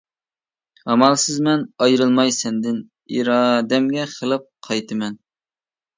ئامالسىزمەن ئايرىلماي سەندىن، ئىرادەمگە خىلاپ قايتىمەن.